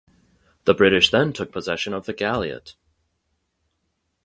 The British then took possession of the galiot.